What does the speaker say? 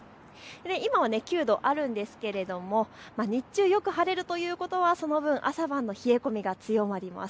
今は９度あるんですが日中よく晴れるということはその分、朝晩の冷え込みが強まります。